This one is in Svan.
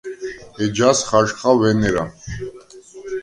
ეჯას ხაჟხა ვენერა.